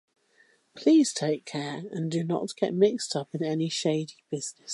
Please take care and do not get mixed up in any shady business.